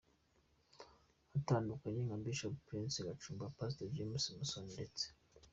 batandukanye nka Bishop Prince Rucunda, Pastor James Musoni ndetse